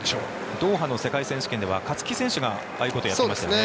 ドーハの世界選手権では勝木選手がああいうことをやってましたね。